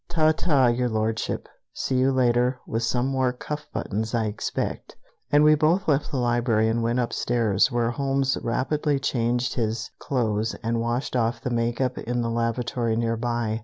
Ta, ta, Your Lordship; see you later, with some more cuff buttons, I expect." And we both left the library and went upstairs, where Holmes rapidly changed his clothes and washed off the make up in the lavatory nearby.